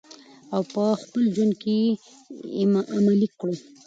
او په خپل ژوند کې یې عملي کړو.